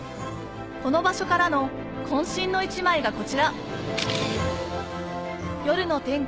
この場所からの渾身の一枚がこちら夜の天空